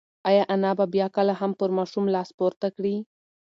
ایا انا به بیا کله هم پر ماشوم لاس پورته کړي؟